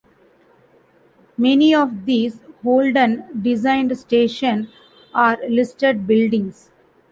Many of these Holden-designed station are listed buildings.